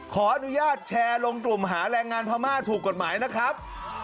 ขออนุญาตแชร์ลงกลุ่มหาแรงงานพม่าถูกกฎหมายนะครับ